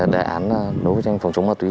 đề án đấu tranh phòng chống ma tuế